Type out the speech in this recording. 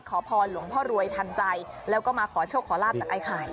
ขอพรหลวงพ่อรวยทันใจแล้วก็มาขอโชคขอลาบจากไอ้ไข่